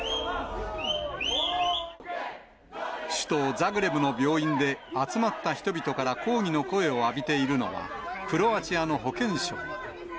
首都ザグレブの病院で、集まった人々から抗議の声を浴びているのは、クロアチアの保健相。